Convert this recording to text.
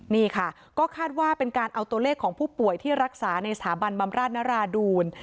นี่ค่ะก็คาดว่าเป็นการเอาตัวเลขของผู้ป่วยที่รักษาในสถาบันบำราชนราดูล